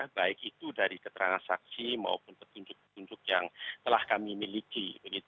baik itu dari keterangan saksi maupun petunjuk petunjuk yang telah kami miliki